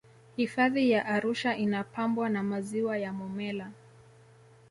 hifadhi ya arusha inapambwa na maziwa ya momella